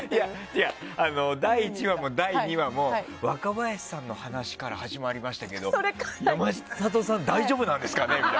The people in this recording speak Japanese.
いや、第１話も第２話も若林さんの話から始まりましたけど山里さん大丈夫なんですか？とか。